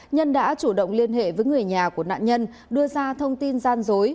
nhân đã chủ động liên hệ với người nhà của nạn nhân đưa ra thông tin gian dối